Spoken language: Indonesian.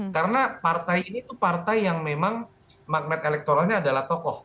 karena partai ini itu partai yang memang magnet elektoralnya adalah tokoh